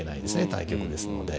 対局ですので。